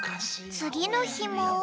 つぎのひも。